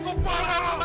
cukup pak eka